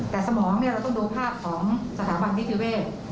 แต่สมองเราต้องดูภาพของสถาบันนิติเวศ